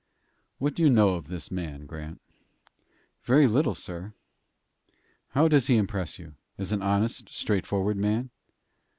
"What do you know of this man, Grant?" "Very little, sir." "How does he impress you as an honest, straightforward man?"